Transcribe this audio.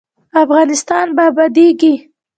افغانستان به ابادیږي